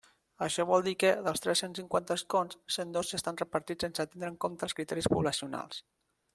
Això vol dir que, dels tres-cents cinquanta escons, cent dos ja estan repartits sense tindre en compte els criteris poblacionals.